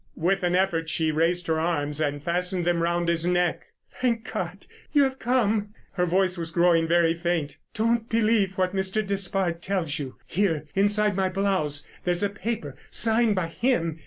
With an effort she raised her arms and fastened them around his neck. "Thank God you have come!" Her voice was growing very faint. "Don't believe what Mr. Despard tells you. Here, inside my blouse, there's a paper signed by him.